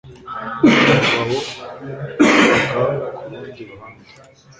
Umugabo yarobaga ku rundi ruhande.